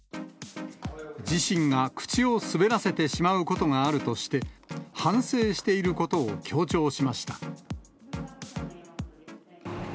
自身が口を滑らせてしまうことがあるとして、反省していることを強調しました。